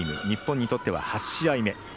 日本にとっては８試合目。